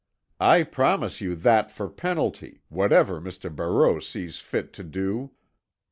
I promise you that for penalty, whatever Mr. Barreau sees fit to do."